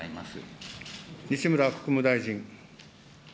西村国務大臣。